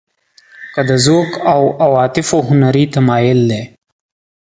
که د ذوق او عواطفو هنري تمایل دی.